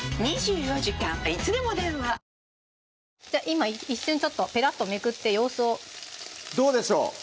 今一瞬ちょっとペラッとめくって様子をどうでしょう？